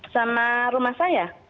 sama rumah saya